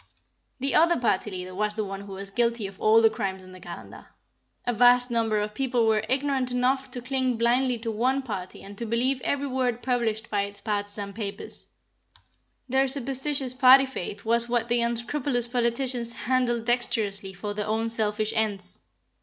The other party leader was the one who was guilty of all the crimes in the calendar. A vast number of people were ignorant enough to cling blindly to one party and to believe every word published by its partisan papers. This superstitious party faith was what the unscrupulous politicians handled dexterously for their own selfish ends.